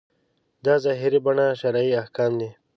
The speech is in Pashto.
دا ظاهري بڼه شرعي احکام دي.